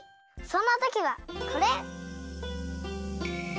そんなときはこれ！